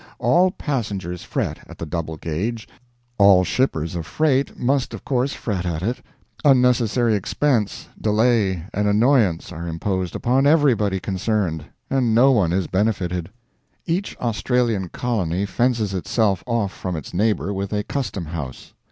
All passengers fret at the double gauge; all shippers of freight must of course fret at it; unnecessary expense, delay, and annoyance are imposed upon everybody concerned, and no one is benefitted. Each Australian colony fences itself off from its neighbor with a custom house.